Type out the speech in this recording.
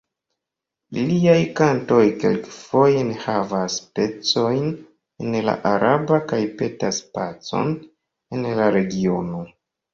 Iliaj kantoj kelk-foje enhavas pecojn en la araba, kaj petas pacon en la regiono.